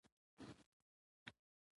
عامه ګټې د اوږدمهاله ثبات سبب ګرځي.